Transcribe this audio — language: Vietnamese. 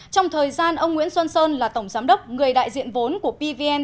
trong thời gian ông nguyễn xuân sơn là tổng giám đốc người đại diện vốn của pvn